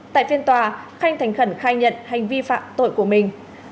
tại phiên tòa khanh thành khẩn khai nhận hành vi phạm tội của mình